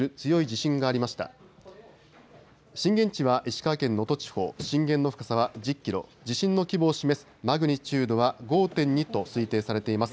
震源地は石川県能登地方、震源の深さは１０キロ、地震の規模を示すマグニチュードは５．２と推定されています。